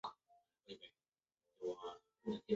疾病造成的眼部问题需额外治疗。